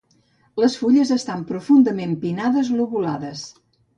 Les fulles estan profundament pinnades lobulades.